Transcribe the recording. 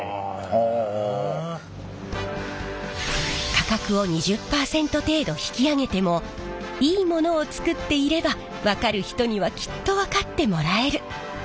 価格を２０％程度引き上げてもいいものを作っていれば分かる人にはきっと分かってもらえる。